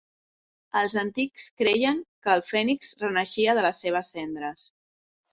Els antics creien que el fènix renaixia de les seves cendres.